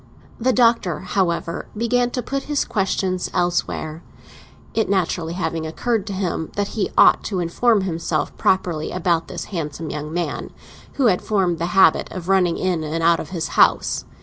The Doctor, however, began to put his questions elsewhere; it naturally having occurred to him that he ought to inform himself properly about this handsome young man who had formed the habit of running in and out of his house.